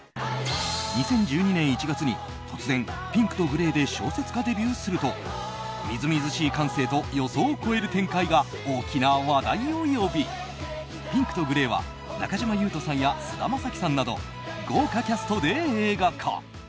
２０１２年１月に突然「ピンクとグレー」で小説家デビューするとみずみずしい感性と予想を超える展開が大きな話題を呼び「ピンクとグレー」は中島裕翔さんや菅田将暉さんなど豪華キャストで映画化。